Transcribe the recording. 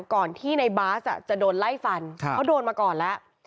ก่อนที่ในบาสจะโดนไล่ฟันเขาโดนมาก่อนแล้ว